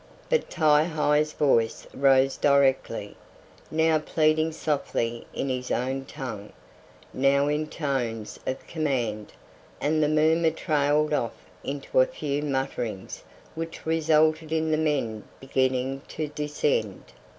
But Ti hi's voice rose directly, now pleading softly in his own tongue, now in tones of command, and the murmur trailed off into a few mutterings which resulted in the men beginning to descend.